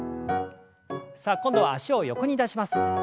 さあ今度は脚を横に出します。